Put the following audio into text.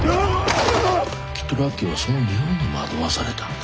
きっとラッキーはその匂いに惑わされたんだ。